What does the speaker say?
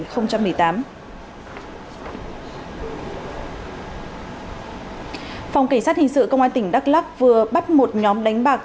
phòng cảnh sát hình sự công an tỉnh đắk lắc vừa bắt một nhóm đánh bạc